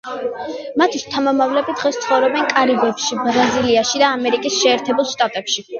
მათი შთამომავლები დღეს ცხოვრობენ კარიბებში, ბრაზილიაში და ამერიკის შეერთებულ შტატებში.